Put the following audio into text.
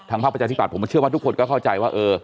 ภาคประชาธิบัตย์ผมเชื่อว่าทุกคนก็เข้าใจว่า